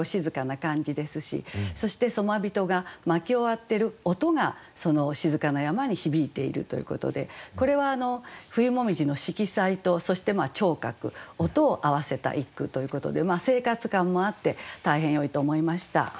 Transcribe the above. そして杣人が薪を割ってる音がその静かな山に響いているということでこれは冬紅葉の色彩とそして聴覚音を合わせた一句ということで生活感もあって大変よいと思いました。